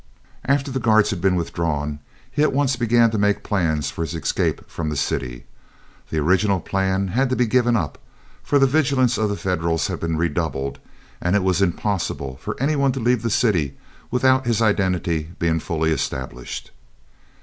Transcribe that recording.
After the guards had been withdrawn, he at once began to make plans for his escape from the city. The original plan had to be given up, for the vigilance of the Federals had been redoubled, and it was impossible for any one to leave the city without his identity being fully established.